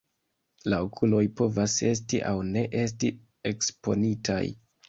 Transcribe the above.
La okuloj povas esti aŭ ne esti eksponitaj.